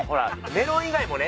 メロン以外もね